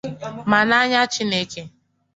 ma n'anya Chineke